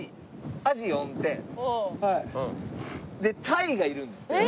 タイがいるんですって。